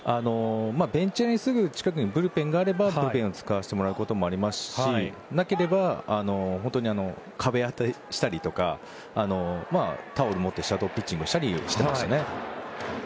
ベンチ近くにブルペンがあれば使わせてもらうこともありますしなければ壁当てしたりタオルを持ってシャドーピッチングしたりしていましたね。